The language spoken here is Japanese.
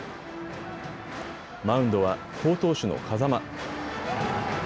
マウンドは好投手の風間。